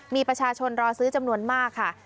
มีประชาชนรอซื้อจำนวนมากค่ะ